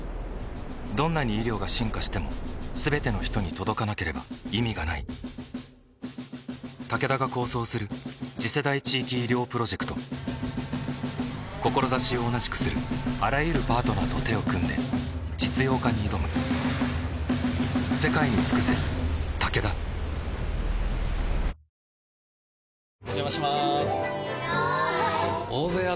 どんなに医療が進化しても全ての人に届かなければ意味がないタケダが構想する次世代地域医療プロジェクト志を同じくするあらゆるパートナーと手を組んで実用化に挑むアロマのエッセンス？